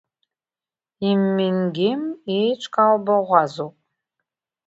Иммингем еиҿкаау баӷәазоуп.